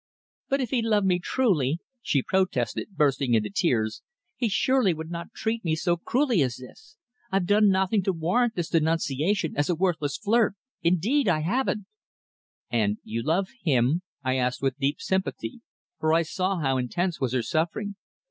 "But if he loved me truly," she protested, bursting into tears, "he surely would not treat me so cruelly as this. I've done nothing to warrant this denunciation as a worthless flirt indeed, I haven't." "And you love him?" I asked with deep sympathy, for I saw how intense was her suffering.